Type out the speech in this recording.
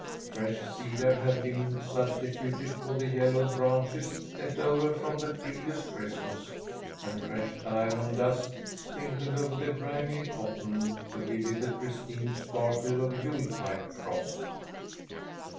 Fresh cedar had been substituted for the yellowed branches left over from the previous Christmas, and fresh diamond dust sprinkled over the grimy cotton to give it its pristine sparkle of Yule tide frost.